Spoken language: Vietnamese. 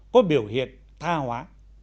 có biểu hiện tha hóa